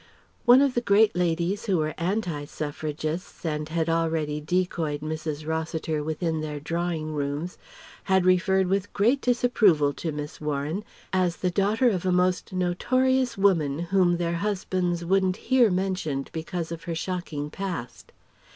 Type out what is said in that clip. One of the great ladies who were Anti Suffragists and had already decoyed Mrs. Rossiter within their drawing rooms had referred with great disapproval to Miss Warren as the daughter of a most notorious woman whom their husbands wouldn't hear mentioned because of her shocking past.